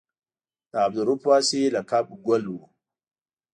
د عبدالرؤف واسعي لقب ګل و.